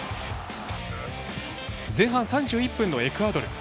前半３１分のエクアドル。